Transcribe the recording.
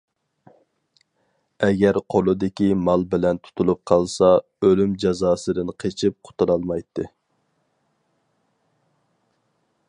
ئەگەر قولىدىكى مال بىلەن تۇتۇلۇپ قالسا، ئۆلۈم جازاسىدىن قېچىپ قۇتۇلالمايتتى.